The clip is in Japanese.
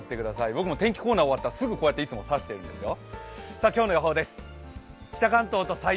僕も天気コーナーが終わったらすぐ差しているんですよ。